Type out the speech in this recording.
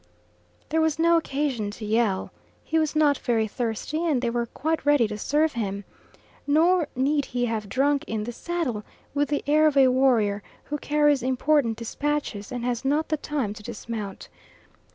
There was no occasion to yell. He was not very thirsty, and they were quite ready to serve him. Nor need he have drunk in the saddle, with the air of a warrior who carries important dispatches and has not the time to dismount.